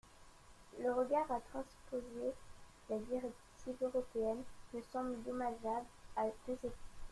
Le retard à transposer les directives européennes me semble dommageable à deux égards.